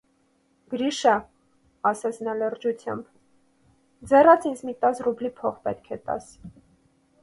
- Գրի՛շա,- ասաց նա լրջությամբ,- ձեռաց ինձ մի տասը ռուբլի փող պետք է տաս: